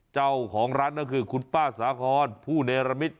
เจ้าของร้านก็คือคุณป้าสาคอนผู้เนรมิต